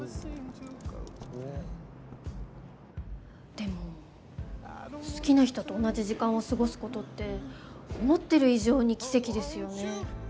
でも好きな人と同じ時間を過ごすことって思ってる以上に奇跡ですよね。